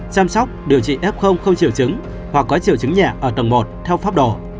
chăm sóc điều trị f không triệu chứng hoặc có triệu chứng nhẹ ở tầng một theo pháp đồ